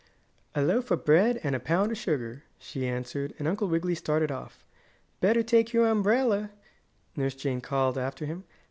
"A loaf of bread and a pound of sugar," she answered, and Uncle Wiggily started off. "Better take your umbrella," Nurse Jane called after him.